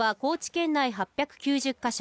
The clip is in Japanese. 県内８９０か所